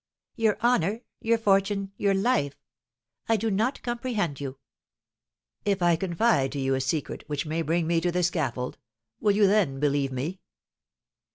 "Your honour, your fortune, your life! I do not comprehend you." "If I confide to you a secret which may bring me to the scaffold, will you then believe me?"